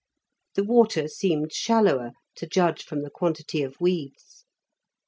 The water seemed shallower, to judge from the quantity of weeds.